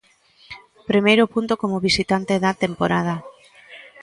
Primeiro punto como visitante da temporada.